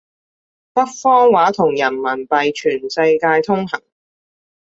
北方話同人民幣全世界通行